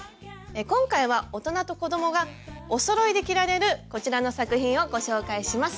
今回は大人と子どもがおそろいで着られるこちらの作品をご紹介します。